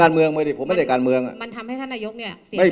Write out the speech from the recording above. มันทำให้ท่านนายกเนี่ย